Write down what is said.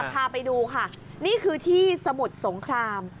พาไปดูค่ะนี่คือที่สมุทรสงคราม